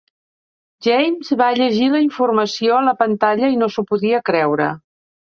James va llegir la informació a la pantalla i no s'ho podria creure.